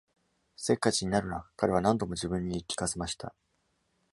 「せっかちになるな、」彼は何度も自分に言い聞かせました。